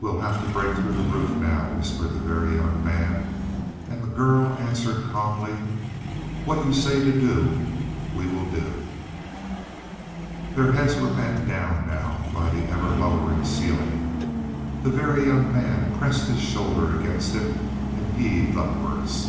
"We'll have to break through the roof now," whispered the Very Young Man, and the girl answered calmly: "What you say to do, we will do." Their heads were bent down now by the ever lowering ceiling; the Very Young Man pressed his shoulder against it and heaved upwards.